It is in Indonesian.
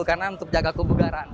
karena untuk menjaga kebugaran